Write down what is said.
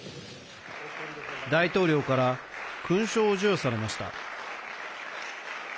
大統領から勲章を授与されました。